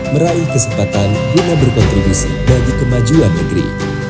meraih kesempatan guna berkontribusi bagi kemajuan negeri